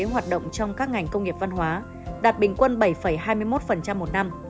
hoạt động trong các ngành công nghiệp văn hóa đạt bình quân bảy hai mươi một một năm